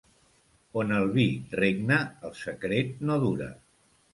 On el vi regna el secret no dura.